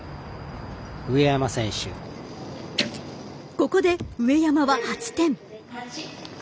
ここで上山は８点。